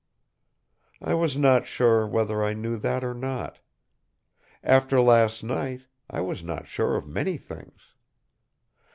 I was not sure whether I knew that, or not. After last night, I was not sure of many things.